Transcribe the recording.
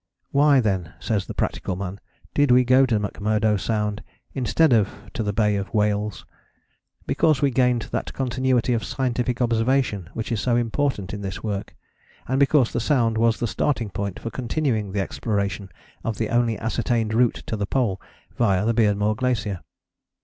Why, then, says the practical man, did we go to McMurdo Sound instead of to the Bay of Whales? Because we gained that continuity of scientific observation which is so important in this work: and because the Sound was the starting point for continuing the exploration of the only ascertained route to the Pole, via the Beardmore Glacier.